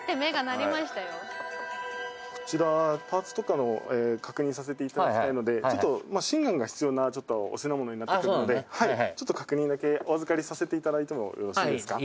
「こちらパーツとかの確認させていただきたいのでちょっと真贋が必要なお品物になってくるのでちょっと確認だけお預かりさせていただいてもよろしいですか？」